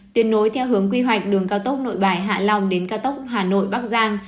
tuyệt đối theo hướng quy hoạch đường cao tốc nội bài hạ long đến cao tốc hà nội bắc giang